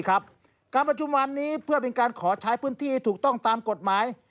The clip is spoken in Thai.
การประชุมวันนี้เพื่อเป็นการขอใช้พื้นที่ให้ถูกต้องตามกฎหมาย